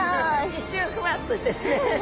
一瞬ふわっとして。